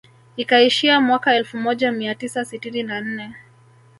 Ikaishia mwaka elfu moja mia tisa sitini na nne